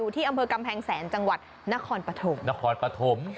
ที่อำเภอกำแพงแสนจังหวัดนครปฐมนครปฐม